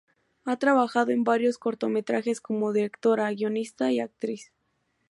Ha trabajado en varios cortometrajes como directora, guionista y actriz.